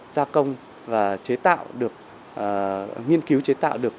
gia công và chế tạo được nghiên cứu chế tạo được